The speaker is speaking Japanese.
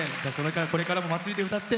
これからも祭りで歌って。